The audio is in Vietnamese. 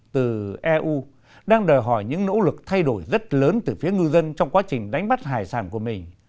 từ eu đang đòi hỏi những nỗ lực thay đổi rất lớn từ phía ngư dân trong quá trình đánh bắt hải sản của mình